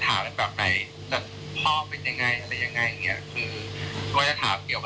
ตัวรายความสาธารณะก็เกี่ยวเหลือเรื่องไหน